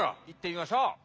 いってみましょう！